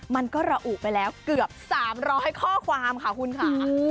มันก็ระอุไปแล้วเกือบ๓๐๐ข้อความค่ะคุณค่ะ